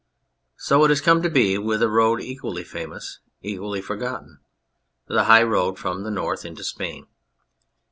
So it has come to be with a road equally famous, equally forgotten, the High Road from the North into Spain.